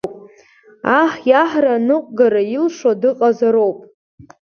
Аҳ иаҳра аныҟәгара илшо дыҟазароуп.